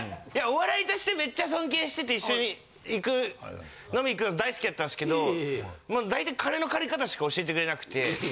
お笑いとしてめっちゃ尊敬してて一緒に行く飲みに行くの大好きやったんですけど大体金の借り方しか教えてくれなくて。